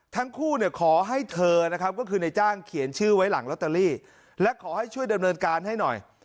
ทั้งคู่เนี่ยขอให้เธอนะครับก็คือในจ้างเขียนชื่อไว้หลังลอตเตอรี่และขอให้ช่วยดำเนินการให้หน่อย